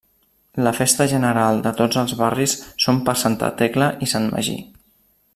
La festa general de tots els barris són per Santa Tecla i Sant Magí.